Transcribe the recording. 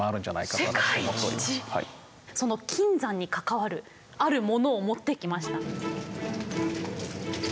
その金山に関わるあるものを持ってきました。